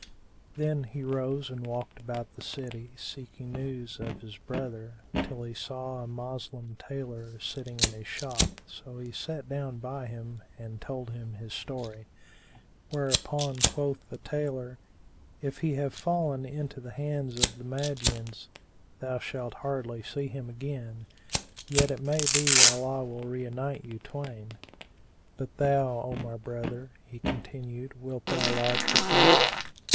Then he rose and walked about the city, seeking news of his brother, till he saw a Moslem tailor sitting in his shop so he sat down by him and told him his story; whereupon quoth the tailor, "If he have fallen into the hands of the Magians, thou shalt hardly see him again: yet it may be Allah will reunite you twain. But thou, O my brother," he continued wilt thou lodge with me?"